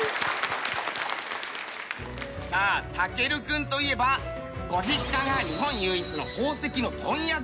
さあ丈琉君といえばご実家が日本唯一の宝石の問屋街